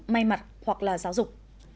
may mặt hoặc là giáo dục